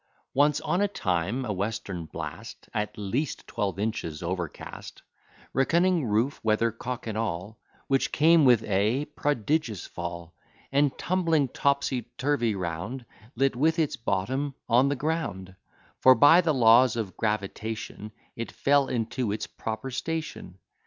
Once on a time a western blast, At least twelve inches overcast, Reckoning roof, weathercock, and all, Which came with a prodigious fall; And, tumbling topsy turvy round, Lit with its bottom on the ground: For, by the laws of gravitation, It fell into its proper station.